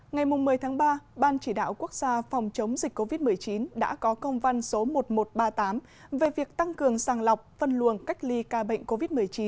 ngày một mươi tháng ba ban chỉ đạo quốc gia phòng chống dịch covid một mươi chín đã có công văn số một nghìn một trăm ba mươi tám về việc tăng cường sàng lọc phân luồng cách ly ca bệnh covid một mươi chín